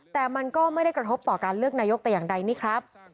แต่มันก็ไม่ได้กระทบต่อการเลือกนายกแต่อย่างใดนี่ครับ